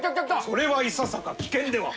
「それはいささか危険では」。